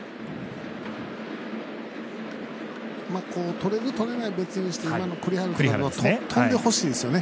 とれる、とれないは別にして今の栗原、飛んでほしいですよね。